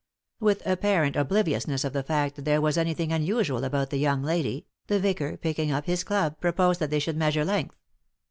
With apparent obliviousness of the fact that there was anything unusual about the young lady, the vicar, picking up his club, proposed that they should measure strength.